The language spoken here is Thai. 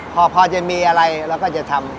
พอจะมีอะไรเราก็จะทำ